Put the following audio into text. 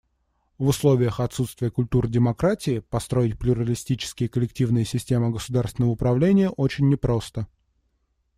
В условиях отсутствия культуры демократии построить плюралистические коллективные системы государственного управления очень не просто.